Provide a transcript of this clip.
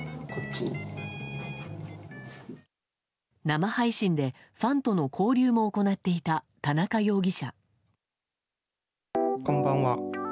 生配信で、ファンとの交流も行っていた田中容疑者。